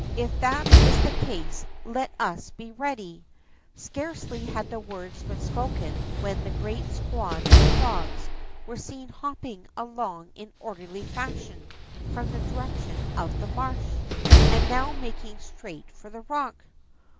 If that is the case, let us be ready.'' Scarcely had the words been spoken when the great squad of frogs were seen hopping along in orderly fashion from the direction of the marsh, and now making straight for the rock.